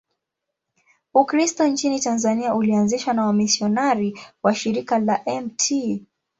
Ukristo nchini Tanzania ulianzishwa na wamisionari wa Shirika la Mt.